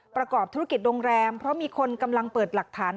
ประกอบธุรกิจโรงแรมเพราะมีคนกำลังเปิดหลักฐาน